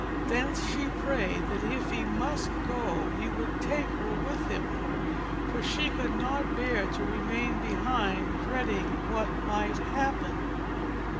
Then she prayed that if he must go he would take her with him, for she could not bear to remain behind dreading what might happen.